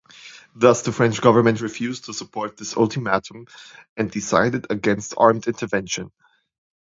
Thus, the French government refused to support this ultimatum and decided against armed intervention.